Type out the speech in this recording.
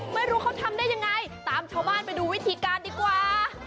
ไม่รู้เขาทำได้ยังไงตามชาวบ้านไปดูวิธีการดีกว่า